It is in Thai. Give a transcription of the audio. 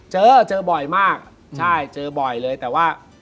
เจอเจอบ่อยมากใช่เจอบ่อยเลยแต่ว่า